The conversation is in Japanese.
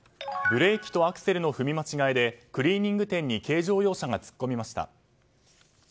ブレーキとアクセルの踏み間違えでクリーニング店に軽乗用車が突っ込みました。